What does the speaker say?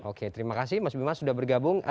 oke terima kasih mas bima sudah bergabung